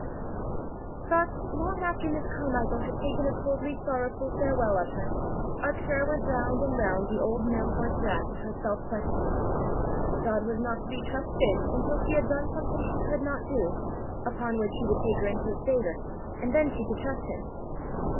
Thus, long after Miss Carmichael had taken a coldly sorrowful farewell of her, Arctura went round and round the old mill horse track of her self questioning: God was not to be trusted in until she had done something she could not do, upon which he would take her into his favour, and then she could trust him!